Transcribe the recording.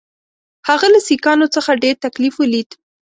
هغه له سیکهانو څخه ډېر تکلیف ولید.